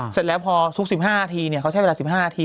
เสร็จแล้วพอซุก๑๕นาทีเขาใช้เวลา๑๕นาที